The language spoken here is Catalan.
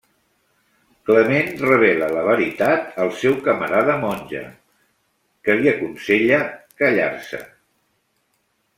Clement revela la veritat al seu camarada Monge, que li aconsella callar-se.